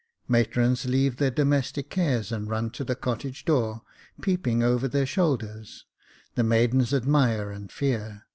Matrons leave their domestic cares, and run to the cottage door : peeping over their shoulders, the maidens admire and fear.